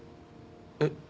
えっ？